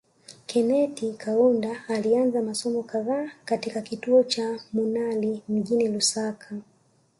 Kenethi Kaunda alianza masomo kadhaa katika kituo cha Munali mjini Lusaka